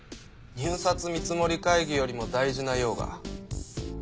入札見積もり会議よりも大事な用が？